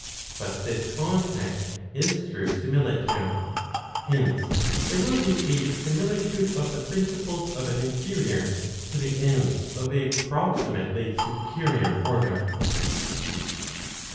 But this contact is through similitude. Hence there will be a similitude of the principles of an inferior, to the ends of a [proximately] superior order.